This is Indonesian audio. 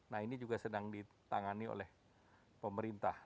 nah ini juga sedang ditangani oleh pemerintah